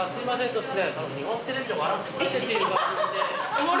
突然。